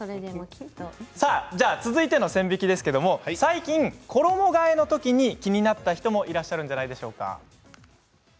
続いての線引きですが最近衣がえのときに気になった人もいらっしゃるんじゃないでしょうか。